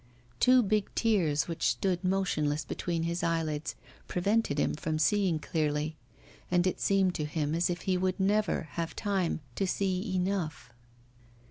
Two big tears which stood motionless between his eyelids prevented him from seeing clearly. And it seemed to him as if he would never have time to see enough.